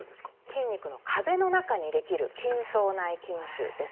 筋肉の壁の中に出来る「筋層内筋腫」ですね。